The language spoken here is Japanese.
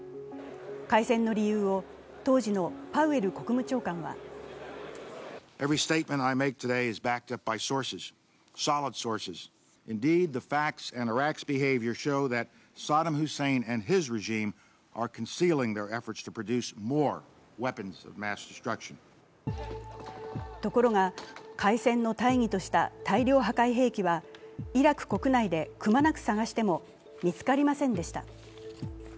開戦の理由を当時のパウエル国務長官はところが、開戦の大義とした大量破壊兵器はイラク国内ではくまなく探しても見つかりませんでした。